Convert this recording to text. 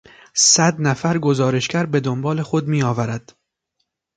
صد نفر گزارشگر به دنبال خود میآورد.